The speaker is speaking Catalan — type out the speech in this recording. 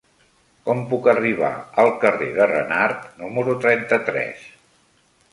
Com puc arribar al carrer de Renart número trenta-tres?